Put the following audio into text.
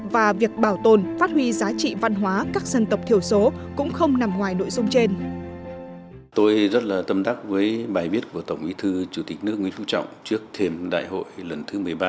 và việc bảo tồn phát huy giá trị văn hóa các dân tộc thiểu số cũng không nằm ngoài nội dung trên